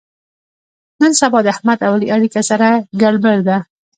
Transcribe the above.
نن سبا د احمد او علي اړیکه سره ګړبړ ده.